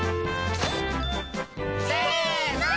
せの。